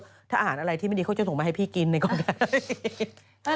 ถ้าอาหารอะไรที่ไม่ดีเขาจะส่งมาให้พี่กินในก่อนนะ